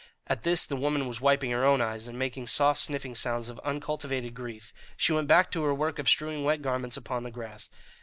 At this the woman was wiping her own eyes; and, making soft sniffing sounds of uncultivated grief, she went back to her work of strewing wet garments upon the grass.